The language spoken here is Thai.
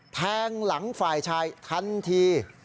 แทงหลังฝ่ายชายทันที